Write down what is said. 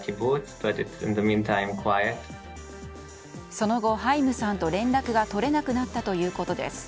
その後、ハイムさんと連絡が取れなくなったということです。